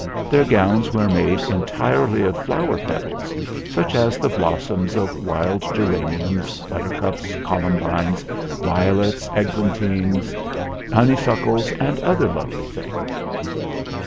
Their gowns were made entirely of flower petals, such as the blossoms of wild geraniums, buttercups, columbines, violets, eglantines, honeysuckles, and other lovely things.